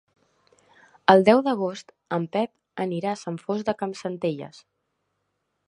El deu d'agost en Pep anirà a Sant Fost de Campsentelles.